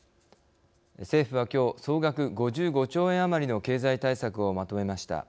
政府はきょう総額５５兆円余りの経済対策をまとめました。